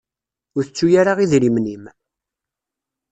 Ur tettu ara idrimen-im.